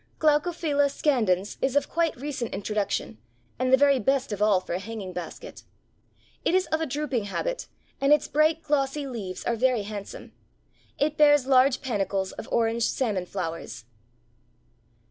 Glaucophylla Scandens is of quite recent introduction, and the very best of all for a hanging basket. It is of a drooping habit, and its bright glossy leaves are very handsome. It bears large panicles of orange salmon flowers.